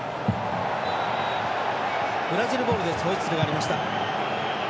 ブラジルボールでホイッスルがありました。